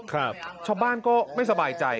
ครับช่อบ้านก็ไม่สบายใจ